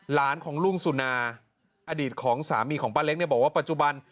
หลานของลุงสุนาอดีตของสามีของป้าเล็กเนี่ยบอกว่าปัจจุบัน